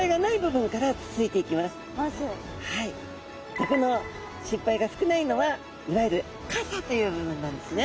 どくのしんぱいが少ないのはいわゆる傘というぶぶんなんですね。